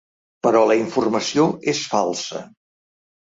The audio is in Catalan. Però la informació és falsa.